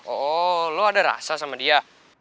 oh lo ada rasa sama dia